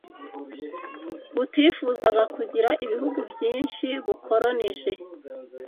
butifuzaga kugira ibihugu byinshi bukolonije